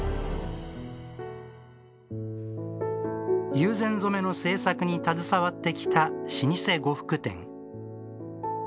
友禅染の製作に携わってきた老舗呉服店。